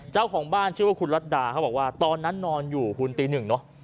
เจ้าของบ้านชื่อว่าคุณรัฐดาเขาบอกว่าตอนนั้นนอนอยู่คุณตีหนึ่งเนอะ